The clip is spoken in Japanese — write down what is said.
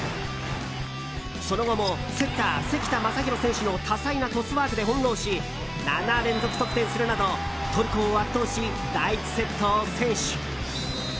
その後もセッター、関田誠大選手の多彩なトスワークで翻弄し７連続得点するなどトルコを圧倒し第１セットを先取。